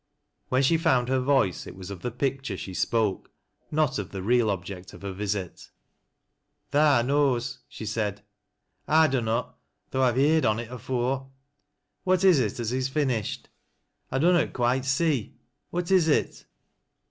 When she found her voice, it was of the picture she spoke, not of the real object of her visit. " T\a knows," she said, " I lunnot, though I've heerd 'in it afore. What is it as is finished ? I dunnot quite ee. What is it